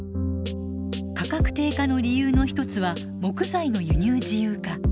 価格低下の理由の一つは木材の輸入自由化。